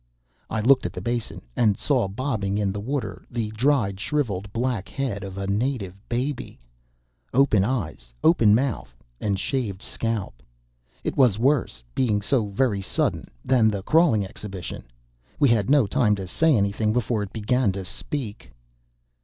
I looked at the basin, and saw, bobbing in the water the dried, shriveled, black head of a native baby open eyes, open mouth and shaved scalp. It was worse, being so very sudden, than the crawling exhibition. We had no time to say anything before it began to speak.